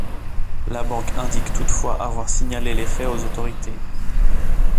La banque indique toutefois avoir signalé les faits aux autorités.